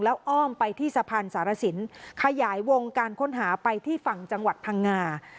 แล้วอ้อมไปที่สะพานสารสินขยายวงการค้นหาไปที่ฝั่งจังหวัดพังงา